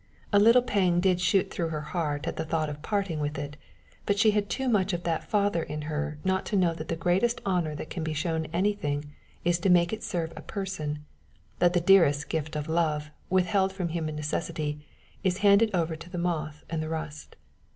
A little pang did shoot through her heart at the thought of parting with it, but she had too much of that father in her not to know that the greatest honor that can be shown any thing, is to make it serve a person; that the dearest gift of love, withheld from human necessity, is handed over to the moth and the rust.